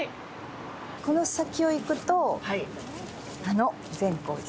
この先を行くとあの善光寺。